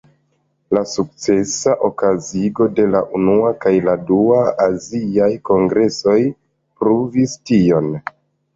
La sukcesa okazigo de la unua kaj dua aziaj kongresoj pruvis tion.